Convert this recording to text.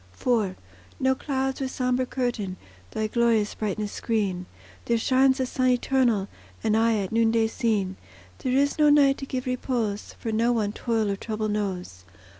IV No clouds with sombre curtain Thy glorious brightness screen; There shines the Sun Eternal, And aye at noonday seen; There is no night to give repose, For no one toil or trouble knows.